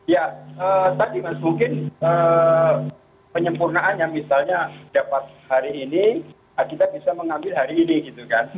ya tadi mas mungkin penyempurnaan yang misalnya dapat hari ini kita bisa mengambil hari ini gitu kan